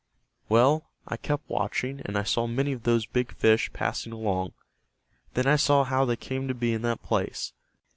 Well, I kept watching and I saw many of those big fish passing along. Then I saw how they came to be in that place.